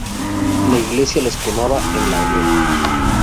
La iglesia los quemaba en la hoguera.